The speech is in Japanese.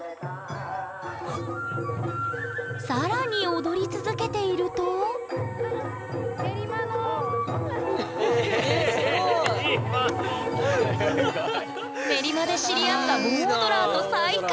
更に踊り続けていると練馬で知り合った盆オドラーと再会！